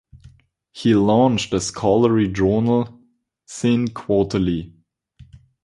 He launched the scholarly Journal "Sindh Quarterly".